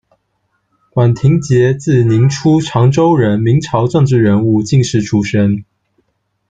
管廷节，字凝初，，长洲人，明朝政治人物、进士出身。